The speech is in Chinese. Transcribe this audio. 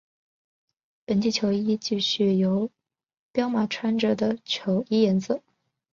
本季球衣继续由彪马穿着的球衣颜色。